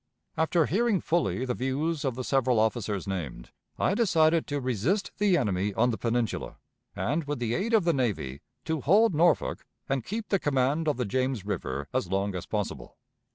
After hearing fully the views of the several officers named, I decided to resist the enemy on the Peninsula, and, with the aid of the navy, to hold Norfolk and keep the command of the James River as long as possible.